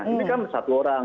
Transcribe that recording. ini kan satu orang